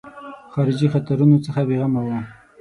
خارجي خطرونو څخه بېغمه وو.